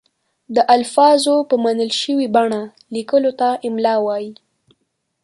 د الفاظو په منل شوې بڼه لیکلو ته املاء وايي.